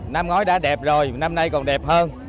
năm ngói đã đẹp rồi năm nay còn đẹp hơn